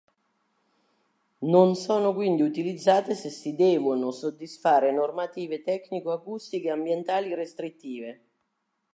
Non sono quindi utilizzate se si devono soddisfare normative tecnico-acustiche ambientali restrittive.